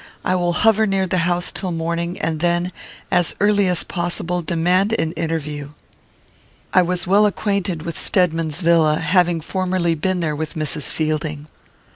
I will hover near the house till morning, and then, as early as possible, demand an interview." I was well acquainted with Stedman's villa, having formerly been there with Mrs. Fielding.